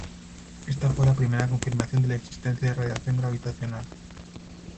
Esta fue la primera confirmación de la existencia de radiación gravitacional.